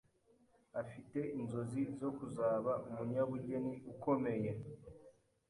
afite inzozi zo kuzaba umunyabugeni ukomeye